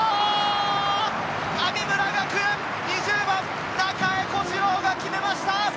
神村学園、２０番・中江小次郎が決めました！